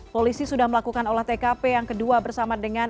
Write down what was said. polisi sudah melakukan olah tkp yang kedua bersama dengan